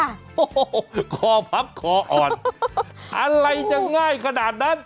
โอ้โหคอพับคออ่อนอะไรจะง่ายขนาดนั้น